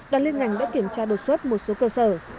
đoàn liên ngành đã kiểm tra đột xuất một số cơ sở